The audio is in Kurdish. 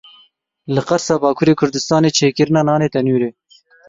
Li Qers a Bakurê Kurdistanê çêkirina nanê tenûrê.